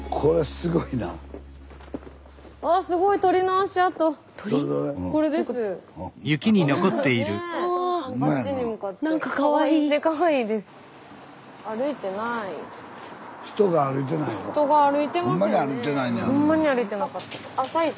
スタジオほんまに歩いてなかった。